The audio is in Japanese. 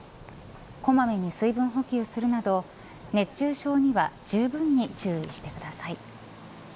小まめに水分補給するなど熱中症にはじゅうぶんに注意してください。